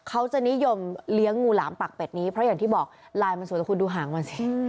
เขาจะนิยมเลี้ยงงูหลามปากเป็ดนี้เพราะอย่างที่บอกลายมันสวยแต่คุณดูหางมันสิ